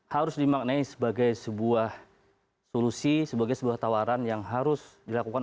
harus dimaknai sebagai sebuah solusi sebagai sebuah tawaran yang harus dilakukan